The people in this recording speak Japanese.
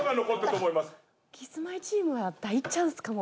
キスマイチームは大チャンスかも。